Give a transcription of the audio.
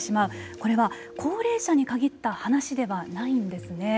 これは高齢者に限った話ではないんですね。